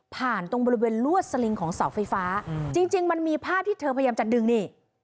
ตรงบริเวณลวดสลิงของเสาไฟฟ้าจริงจริงมันมีภาพที่เธอพยายามจะดึงนี่